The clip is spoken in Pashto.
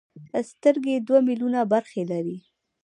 سترګې دوه ملیونه برخې لري.